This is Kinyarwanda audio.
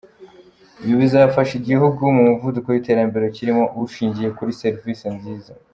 Ibi bizafasha igihugu mu muvuduko w’iterambere kirimo ushingiye kuri servisi nziza”.